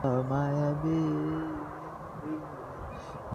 কুমু একটু পরে বিছানা থেকে উঠেই নবীনকে বললে, চলো আর দেরি নয়।